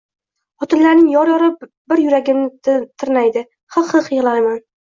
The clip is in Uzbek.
Xotinlarning yor-yori bir yuragimni tirnaydts, hiq-hiq yigʼlayman…